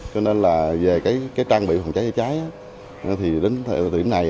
cho nên là về trang bị phòng cháy hay cháy thì đến thời điểm này